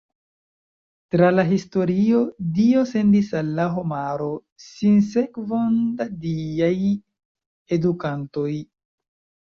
Tra la historio Dio sendis al la homaro sinsekvon da diaj Edukantoj.